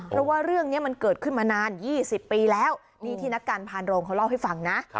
เพราะว่าเรื่องนี้มันเกิดขึ้นมานาน๒๐ปีแล้วนี่ที่นักการพานโรงเขาเล่าให้ฟังนะ